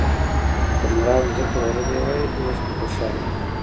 که مراد ځمکه لرلی وای، اوس به خوشاله و.